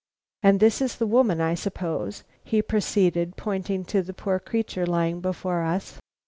"And this is the woman, I suppose?" he proceeded, pointing to the poor creature lying before us.